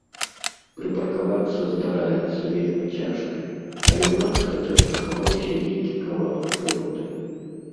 Прыпаркавацца, здараецца, вельмі цяжка, але ў нас хаця б захаваўся нейкі кавалак прыроды.